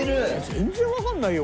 全然わかんないよ